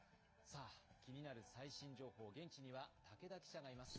さあ、気になる最新情報、現地には武田記者がいます。